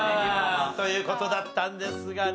という事だったんですがね。